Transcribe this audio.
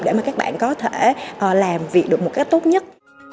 để mà các bạn có thể làm việc được một cách tốt nhất